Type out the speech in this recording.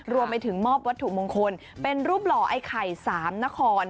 รวมไปถึงมอบวัตถุมงคลเป็นรูปหล่อไอ้ไข่สามนคร